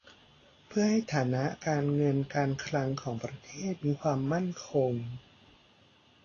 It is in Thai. เพื่อให้ฐานะการเงินการคลังของประเทศมีความมั่นคง